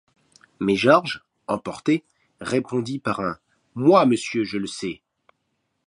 Mais Georges, emporté, répondit par un: Moi, monsieur, je le sais!